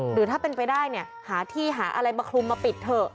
หรือถ้าเป็นไปได้เนี่ยหาที่หาอะไรมาคลุมมาปิดเถอะ